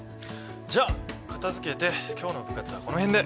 じゃあ片づけて今日の部活はこの辺で。